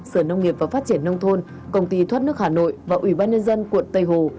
sở nông nghiệp và phát triển nông thôn công ty thuất nước hà nội và ubnd tp tây hồ